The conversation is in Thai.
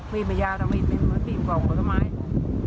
มีดไม่ยาวมีปริ่มของกับสมีต